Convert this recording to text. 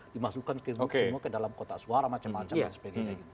dimasukkan semua ke dalam kotak suara macam macam dan sebagainya gitu